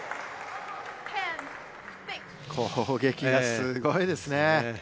攻撃がすごいですね。